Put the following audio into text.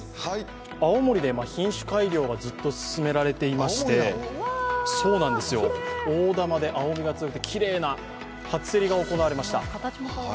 青森で品種改良がずっと進められていまして、大玉で、甘みが強くて初競りが行われました。